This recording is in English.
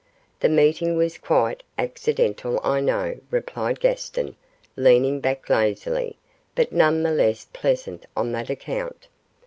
'The meeting was quite accidental, I know,' replied Gaston, leaning back lazily; 'but none the less pleasant on that account.